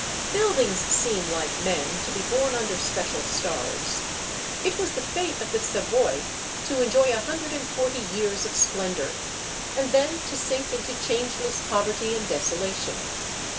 Buildings seem, like men, to be born under special stars. It was the fate of the Savoy to enjoy a hundred and forty years of splendour, and then to sink into changeless poverty and desolation.